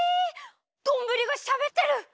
どんぶりがしゃべってる！？